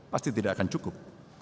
pasti tidak akan cukup